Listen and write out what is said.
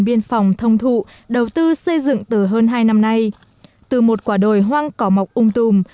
biên phòng thông thụ đầu tư xây dựng từ hơn hai năm nay từ một quả đồi hoang cỏ mọc ung tùm